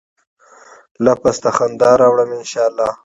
لفظ ته خندا راوړمه ، ان شا الله